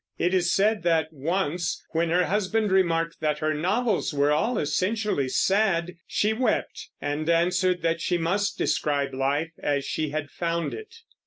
It is said that once, when her husband remarked that her novels were all essentially sad, she wept, and answered that she must describe life as she had found it.